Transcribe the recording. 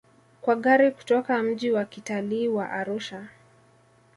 Kwa gari kutoka mji wa kitalii wa Arusha